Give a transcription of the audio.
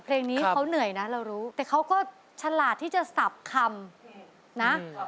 เพลงนี้เขาเหนื่อยนะเรารู้แต่เขาก็ฉลาดที่จะสับคำนะ